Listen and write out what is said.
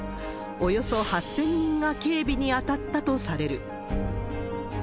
およそ８０００人が警備に当たったとされる。